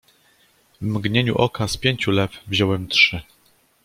"W mgnieniu oka z pięciu lew wziąłem trzy."